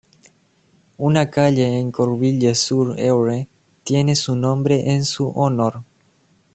Una calle en Courville-sur-eure tiene su nombre en su honor.